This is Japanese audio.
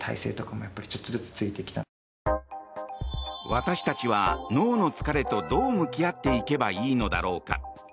私たちは脳の疲れとどう向き合っていけばいいのだろうか。